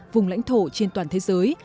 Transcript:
vùng lãnh thổ trên toàn thế giới